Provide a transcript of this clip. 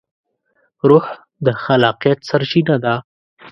روح د خلاقیت سرچینه ده.